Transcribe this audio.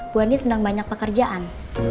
bu andien sedang banyak pekerjaan